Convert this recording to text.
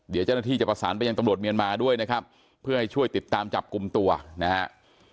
เดี๋ยวเจ้าหน้าที่จะประสานไปยังตำรวจเมียนมาด้วยนะครับเพื่อให้ช่วยติดตามจับกลุ่มตัวนะฮะ